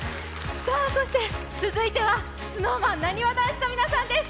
そして、続いては、ＳｎｏｗＭａｎなにわ男子の皆さんです。